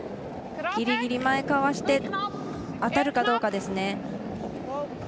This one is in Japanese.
ぎりぎり前、かわして当たるかどうかですね。